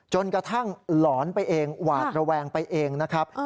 กระทั่งหลอนไปเองหวาดระแวงไปเองนะครับ